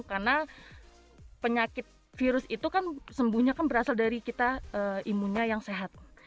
karena penyakit virus itu kan sembuhnya kan berasal dari kita imunnya yang sehat